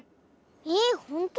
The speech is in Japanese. えほんと？